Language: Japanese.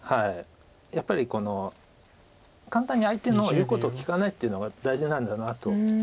やっぱりこの簡単に相手の言うことを聞かないっていうのが大事なんだなと思わされます。